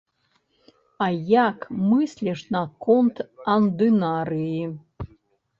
А як мысліш наконт андынарыі?